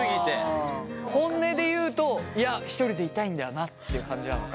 本音で言うといやひとりでいたいんだよなって感じなのか？